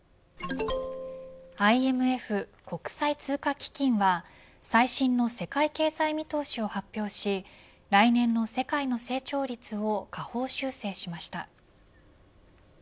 ＩＭＦ国際通貨基金は最新の世界経済見通しを発表し来年の世界の成長率を下方修正しました。